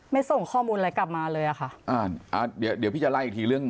ส่งข้อมูลอะไรกลับมาเลยอ่ะค่ะอ่าอ่าเดี๋ยวเดี๋ยวพี่จะไล่อีกทีเรื่อง